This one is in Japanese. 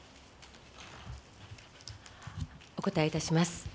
お答えいたします。